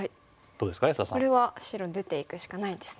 これは白出ていくしかないですね。